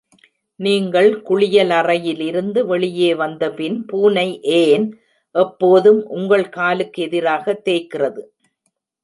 நீங்கள் குளியலிலிருந்து வெளியே வந்தபின் பூனை ஏன் எப்போதும் உங்கள் காலுக்கு எதிராக தேய்க்கிறது?